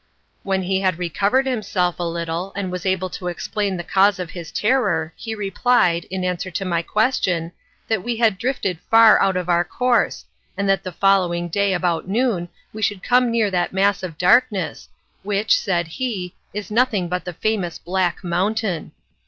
When he had recovered himself a little, and was able to explain the cause of his terror, he replied, in answer to my question, that we had drifted far out of our course, and that the following day about noon we should come near that mass of darkness, which, said he, is nothing but the famous Black Mountain.